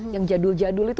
yang jadul jadul itu